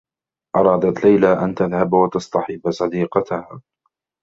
أرادت ليلى أن تذهب و تصطحب صديقتها.